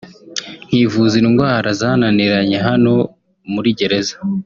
nkivuza indwara zananiranye hano muri gereza